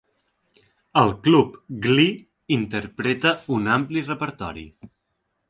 El club Glee interpreta un ampli repertori.